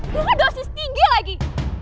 itu kan dosis tinggi lagi